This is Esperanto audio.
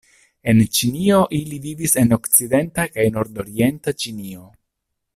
En Ĉinio iii vivis en okcidenta kaj nordorienta Ĉinio.